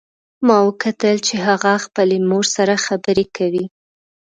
ما وکتل چې هغه خپلې مور سره خبرې کوي